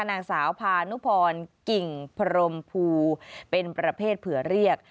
นางสาวพานุพรกิ่งพรมภูเป็นประเภทเผื่อเรียก